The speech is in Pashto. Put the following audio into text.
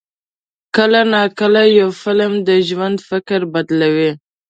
کله ناکله یو فلم د ژوند فکر بدلوي.